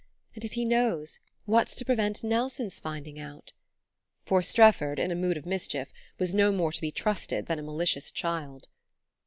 And if he knows, what's to prevent Nelson's finding out?" For Strefford, in a mood of mischief, was no more to be trusted than a malicious child.